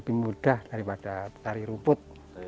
lebih mudah daripada tari rumput